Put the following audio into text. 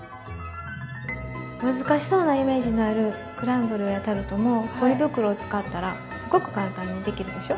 難しそうなイメージのあるクランブルやタルトもポリ袋を使ったらすごく簡単にできるでしょ？